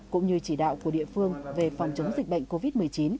cũng như chỉ đạo của địa phương về phòng chống dịch bệnh covid một mươi chín